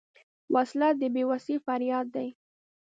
وسله د بېوسۍ فریاد دی